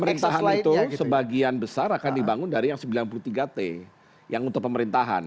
pemerintahan itu sebagian besar akan dibangun dari yang sembilan puluh tiga t yang untuk pemerintahan